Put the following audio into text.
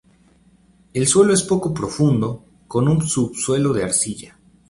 El suelo es poco profundo, con un subsuelo de arcilla.